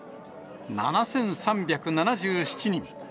７３７７人。